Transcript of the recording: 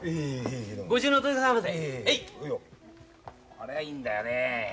これがいいんだよね。